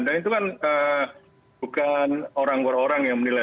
dan itu kan bukan orang orang yang menilai